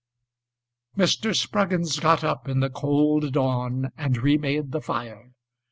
Mr. Spruggins got up in the cold dawnAnd remade the fire.